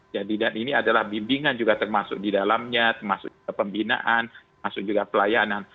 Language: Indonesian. jadi dan ini adalah bimbingan juga termasuk di dalamnya termasuk kepembinaan termasuk juga pelayanan